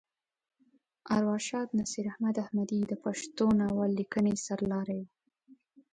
ارواښاد نصیر احمد احمدي د پښتو ناول لیکنې سر لاری وه.